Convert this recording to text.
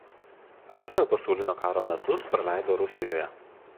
Antrojo pasaulinio karo metus praleido Rusijoje.